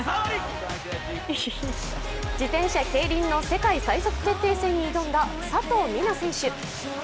自転車・ケイリンの世界最速決定戦に挑んだ佐藤水菜選手。